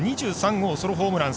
２３号ソロホームラン。